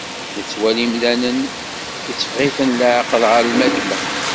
Nettwali imdanen, itteffeɣ-iten leɛqel ɣer lmakla.